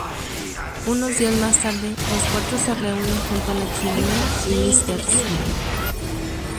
Unos días más tarde, los cuatro se reúnen junto a la chimenea y Mrs.